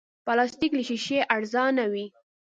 پلاستيک له شیشې ارزانه وي.